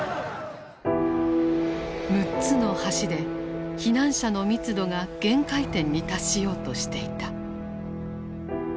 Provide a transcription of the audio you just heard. ６つの橋で避難者の密度が限界点に達しようとしていた。